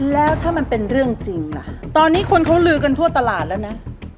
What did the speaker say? แล้วถ้ามันเป็นเรื่องจริงล่ะตอนนี้คนเขาลือกันทั่วตลาดแล้วนะ